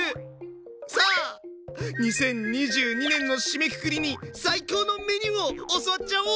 さあ２０２２年の締めくくりに最高のメニューを教わっちゃおう！